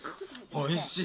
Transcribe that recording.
おいしい！